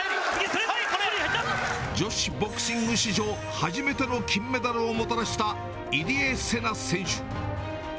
女子ボクシング史上、初めての金メダルをもたらした入江聖奈選手。